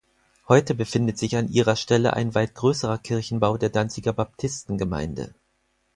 Heute befindet sich an ihrer Stelle ein weit größerer Kirchenbau der Danziger Baptistengemeinde.